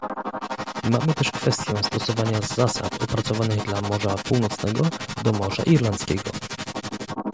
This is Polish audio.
Mamy też kwestię stosowania zasad opracowanych dla Morza Północnego do Morza Irlandzkiego